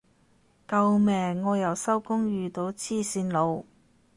救命我又收工遇到黐線佬